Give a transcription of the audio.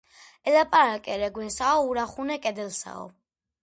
ელაპარაკე რეგვენსაო, ურახუნე კედელსაო.